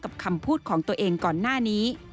คำพูดของตัวเองก่อนหน้านี้